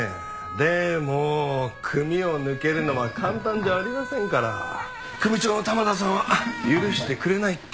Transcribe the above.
でも組を抜けるのは簡単じゃありませんから。組長の玉田さんは許してくれないって。